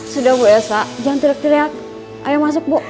sudah bu elsa jangan tiriak tiriak ayo masuk bu